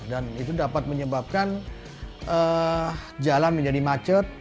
dan itu dapat menyebabkan jalan menjadi macet